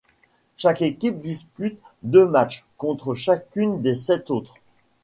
Chaque équipe dispute deux matchs contre chacune des sept autres.